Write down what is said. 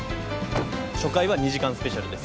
初回は２時間スペシャルです。